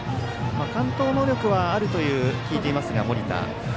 完投能力はあると聞いていますが、盛田。